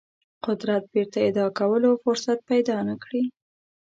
قدرت بیرته اعاده کولو فرصت پیدا نه کړي.